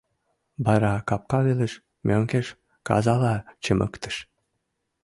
Вара капка велыш мӧҥгеш казала чымыктыш.